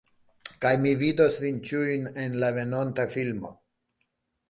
Kaj mi vidos vin ĉiujn en la veronta filmo.